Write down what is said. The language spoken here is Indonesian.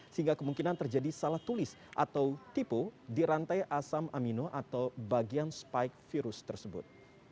sehingga kemungkinan terjadi salah tulis atau tipe di rantai asam amino atau bagian spike virus tersebut